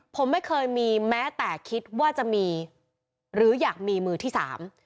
ผมไม่เคยมีแม้แต่คิดว่าจะมีหรืออยากมีมือที่สาม